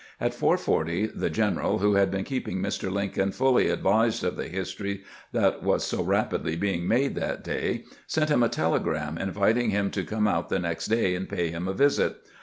At 4 : 40 the general, who had been keeping Mr. Lincoln fully advised of the history that was so rapidly being made that day, sent him a telegram inviting him to come out the next day and pay him a visit.